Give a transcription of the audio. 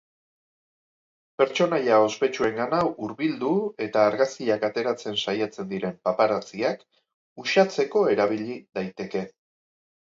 Pertsonaia ospetsuengana hurbildu eta argazkiak ateratzen saiatzen diren paparazziak uxatzeko erabili daiteke.